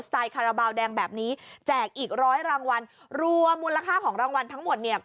ไตลคาราบาลแดงแบบนี้แจกอีกร้อยรางวัลรวมมูลค่าของรางวัลทั้งหมดเนี่ย